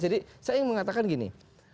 jadi saya yang mengatakan gini